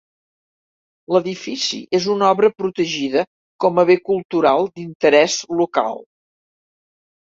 L'edifici és una obra protegida com a Bé Cultural d'Interès Local.